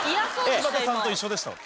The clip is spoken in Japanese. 柴田さんと一緒でした。